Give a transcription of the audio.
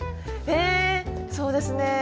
えそうですね